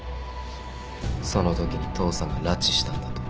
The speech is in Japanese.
そのときに父さんが拉致したんだと。